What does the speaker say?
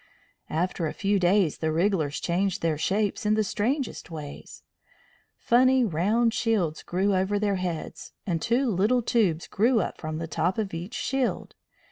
After a few days the wrigglers changed their shapes in the strangest ways. Funny round shields grew over their heads, and two little tubes grew up from the top of each shield.